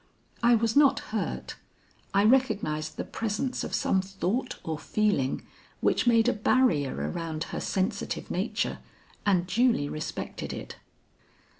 I was not hurt; I recognized the presence of some thought or feeling which made a barrier around her sensitive nature, and duly respected it.